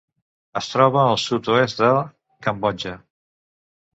Es troba al sud-oest de Cambodja.